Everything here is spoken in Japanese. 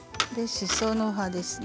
しその葉ですね。